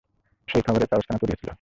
সেই খবরের কাগজখানা পড়িয়া ছিল।